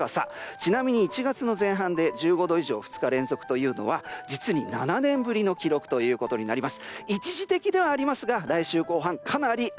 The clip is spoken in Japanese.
ちなみに１月の前半で１５度以上、２日連続というのは実に７年ぶりの記録となります。